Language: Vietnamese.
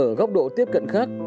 ở góc độ tiếp cận khác